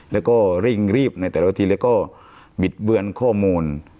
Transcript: แล้วก็เร่งรีบในแต่ละทีแล้วก็บิดเบือนข้อมูล